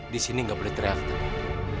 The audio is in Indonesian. di sini gak boleh teriak teguh